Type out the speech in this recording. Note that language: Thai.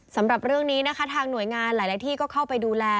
สำหรับเรื่องนี้นะคะทางหน่วยงานหลายที่ก็เข้าไปดูแล